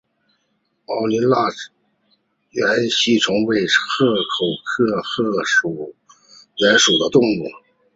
凹睾棘缘吸虫为棘口科棘缘属的动物。